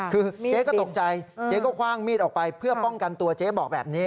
คือเจ๊ก็ตกใจเจ๊ก็คว่างมีดออกไปเพื่อป้องกันตัวเจ๊บอกแบบนี้